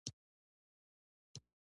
زما سوال دادی: ایا تراوسه مو هغه خلک لیدلي.